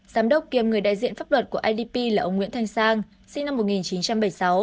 giám đốc kiêm người đại diện pháp luật của idp là ông nguyễn thanh sang sinh năm một nghìn chín trăm bảy mươi sáu